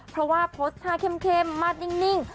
เพราะว่าโพสต์ท่าเข้มมาดนิ่ง